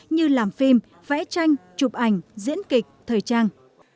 như làm phim vẽ tranh chụp ảnh diễn kịch thời trang